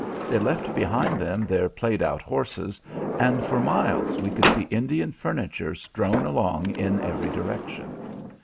They left behind them their played out horses, and for miles we could see Indian furniture strewn along in every direction.